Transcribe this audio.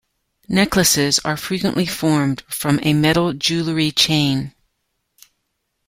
Necklaces are frequently formed from a metal jewellery chain.